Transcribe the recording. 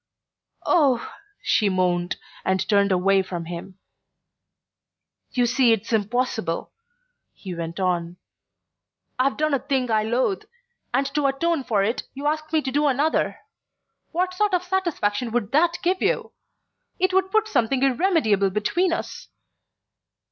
"Oh " she moaned, and turned away from him. "You see it's impossible," he went on. "I've done a thing I loathe, and to atone for it you ask me to do another. What sort of satisfaction would that give you? It would put something irremediable between us."